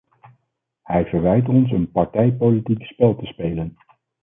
Hij verwijt ons een partijpolitiek spel te spelen.